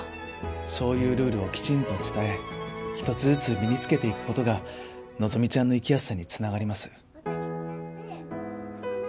そういうルールをきちんと伝え一つずつ身につけていく事が希ちゃんの生きやすさに繋がります。